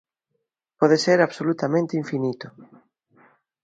Pode ser absolutamente infinito.